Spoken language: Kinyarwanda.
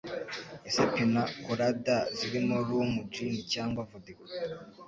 Ese Pina Colada zirimo Rum Gin Cyangwa Vodka